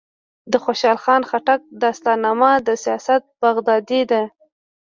د خوشحال خان خټک دستارنامه د سیاست بغدادي ده.